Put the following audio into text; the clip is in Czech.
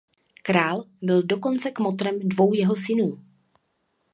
Král byl dokonce kmotrem dvou jeho synů.